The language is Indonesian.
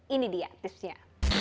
ini dia tipsnya